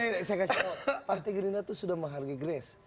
nih saya kasih tau pak tegerina itu sudah menghargai grace